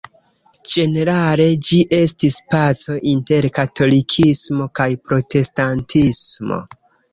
Ĝenerale ĝi estis paco inter katolikismo kaj protestantismo.